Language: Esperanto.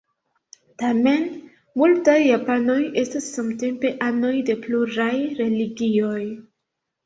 Tamen multaj japanoj estas samtempe anoj de pluraj religioj.